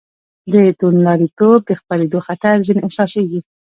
د توندلاریتوب د خپرېدو خطر ځنې احساسېږي.